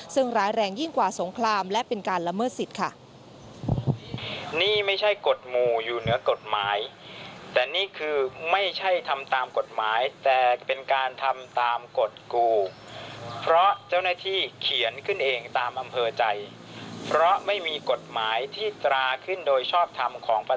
ซึ่งร้ายแรงยิ่งกว่าสงครามและเป็นการละเมิดสิทธิ์ค่ะ